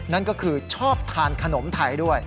นั่นก็คือชอบทานขนมไทยด้วย